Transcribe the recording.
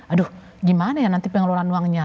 aduh gimana ya nanti pengelolaan uangnya